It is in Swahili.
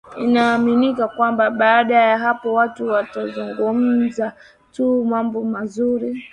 Inaaminika kwamba baada ya hapo watu watazungumza tu mambo mazuri